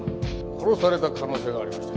殺された可能性がありましてね。